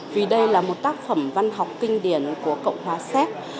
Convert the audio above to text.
vì đây là một tác phẩm văn học kinh điển của cộng hòa séc